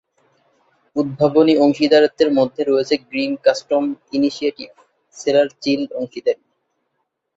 উদ্ভাবনী অংশীদারত্বের মধ্যে রয়েছে গ্রিন কাস্টমস ইনিশিয়েটিভ, সোলার চিল অংশীদারি।